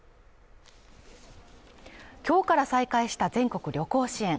今日から再開した全国旅行支援